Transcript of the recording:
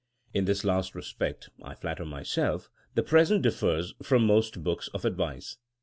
In this last respect, I flatter myself, the present differs from most books of advice.